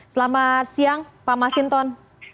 selamat siang pak masinton